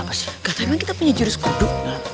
gak teman kita punya jurus kudu